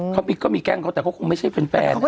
เขาก็มีแก๊งของเขาแต่เขาคงไม่ใช่แฟนอะไรใหม่